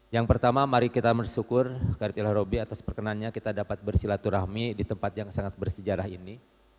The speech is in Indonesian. yang pertama mari kita bersyukur karirlah robby atas perkenannya kita dapat bersilaturahmi di tempat yang sangat bersejarah ini